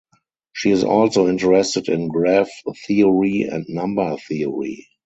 She is also interested in graph theory and number theory.